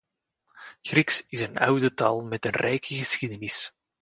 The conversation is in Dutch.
Grieks is een oude taal met een rijke geschiedenis.